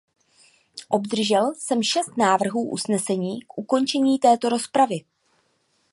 Obdržel jsem šest návrhů usnesení k ukončení této rozpravy.